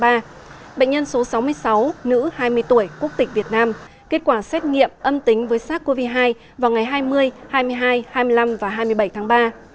bệnh nhân số sáu mươi sáu nữ hai mươi tuổi quốc tịch việt nam kết quả xét nghiệm âm tính với sars cov hai vào ngày hai mươi hai mươi hai hai mươi năm và hai mươi bảy tháng ba